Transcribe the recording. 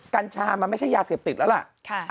กัญชามันไม่ใช่ยาเสพติดแล้วล่ะ